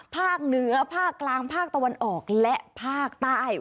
ภาคเหนือภาคกลางภาคตะวันออกและภาคใต้